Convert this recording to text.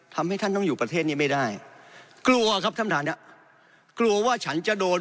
ท่านต้องอยู่ประเทศนี้ไม่ได้กลัวครับท่านท่านกลัวว่าฉันจะโดน